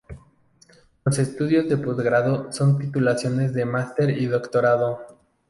Los estudios de posgrado son las titulaciones de máster y doctorado.